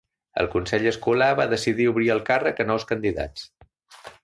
El consell escolar va decidir obrir el càrrec a nous candidats.